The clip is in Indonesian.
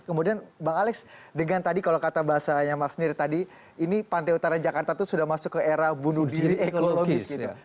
kemudian bang alex dengan tadi kalau kata bahasanya mas nir tadi ini pantai utara jakarta itu sudah masuk ke era bunuh diri ekologis gitu